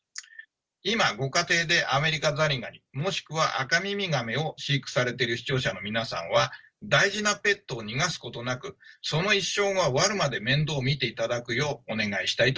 今ご家庭でアメリカザリガニもしくはアカミミガメを飼育されている視聴者の皆さんは大事なペットを逃がすことなくその一生が終わるまで面倒を見ていただくようお願いしたいと思います。